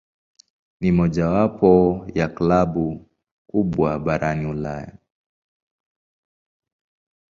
Ni mojawapo ya klabu kubwa barani Ulaya.